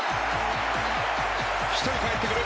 １人かえってくる。